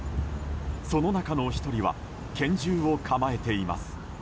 その中の１人は拳銃を構えています。